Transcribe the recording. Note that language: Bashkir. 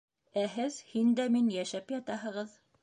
Ә һеҙ «һин дә мин» йәшәп ятаһығыҙ.